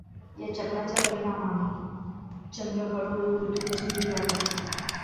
या चक्राच्या परीणामाने चंद्र हळूहळू पृथ्वीपासून दूर जात आहे.